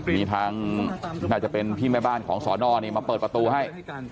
มีทางน่าจะเป็นพี่แม่บ้านของสอนอนี่มาเปิดประตูให้